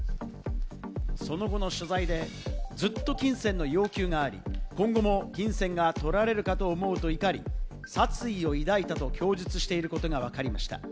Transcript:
その後の取材で、ずっと金銭の要求があり、今後も金銭が取られるかと思うと怒り、殺意を抱いたと供述していることがわかりました。